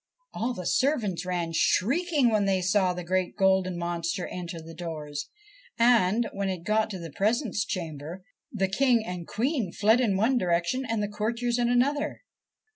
All the servants ran shrieking when they saw the great golden monster entering the doors, and, when it got to the presence chamber, the King and Queen fled in one direction and the courtiers in another.